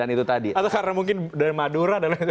itu tadi atau mungkin dari madura